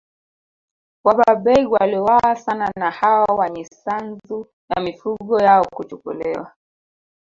Wabarbaig waliuawa sana na hao Wanyisanzu na mifugo yao kuchukuliwa